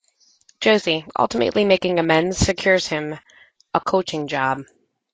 Josie, ultimately making amends, secures him a coaching job.